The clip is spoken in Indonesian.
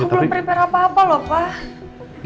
belum prepare apa apa loh pak